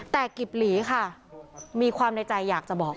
แต่กิบหลีค่ะมีความในใจอยากจะบอก